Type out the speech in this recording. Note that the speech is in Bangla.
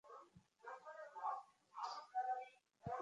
দিয়ে দিবে বয়ান।